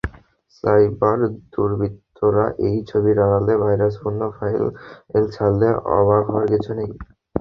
Cyber দুর্বৃত্তরা তাই ছবির আড়ালে ভাইরাসপূর্ণ ফাইল ছাড়লে অবাক হওয়ার কিছু নেই।